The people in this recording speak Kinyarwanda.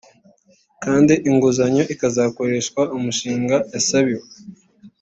kandi inguzanyo ikazakoreshwa umushinga yasabiwe